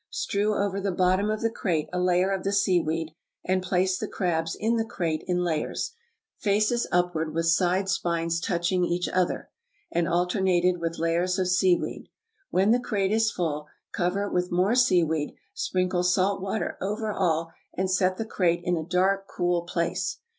Strew over the bottom of the crate a layer of the seaweed, and place the crabs in the crate in layers, faces upward with side spines touching each other, and alternated with layers of seaweed. When the crate is full, cover it with more seaweed, sprinkle salt water over all, and set the crate in a dark, cool place.